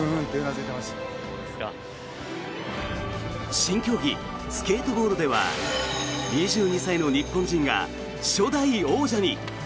新競技スケートボードでは２２歳の日本人が初代王者に。